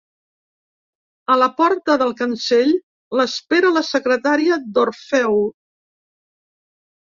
A la porta del cancell l'espera la secretària d'Orfeu.